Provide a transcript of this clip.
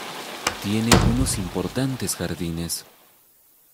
Tiene unos importantes jardines.